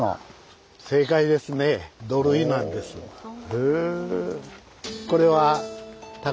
へえ。